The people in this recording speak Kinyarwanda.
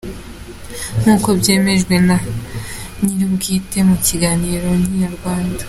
Nk'uko byemejwe na nyirubwite mu kiganiro na Inyarwanda.